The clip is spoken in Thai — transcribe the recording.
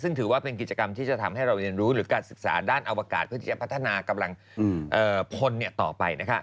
ซึ่งถือว่าเป็นกิจกรรมที่จะทำให้เราเรียนรู้หรือการศึกษาด้านอวกาศเพื่อที่จะพัฒนากำลังพลต่อไป